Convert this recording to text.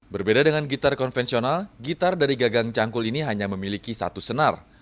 berbeda dengan gitar konvensional gitar dari gagang cangkul ini hanya memiliki satu senar